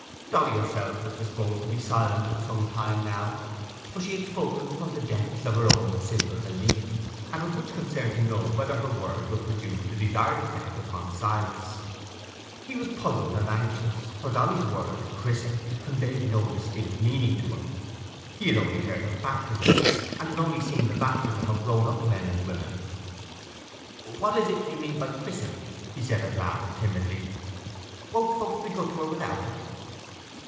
Dolly herself was disposed to be silent for some time now, for she had spoken from the depths of her own simple belief, and was much concerned to know whether her words would produce the desired effect on Silas. He was puzzled and anxious, for Dolly's word "christened" conveyed no distinct meaning to him. He had only heard of baptism, and had only seen the baptism of grown up men and women. "What is it as you mean by "christened"?" he said at last, timidly. "Won't folks be good to her without it?"